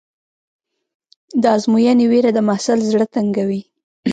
د ازموینې وېره د محصل زړه تنګوي.